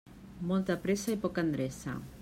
Molta pressa i poca endreça.